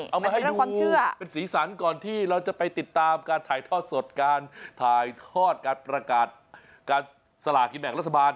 เอามาให้ดูเป็นสีสันก่อนที่เราจะไปติดตามการถ่ายทอดสดการถ่ายทอดการประกาศการสลากินแบ่งรัฐบาล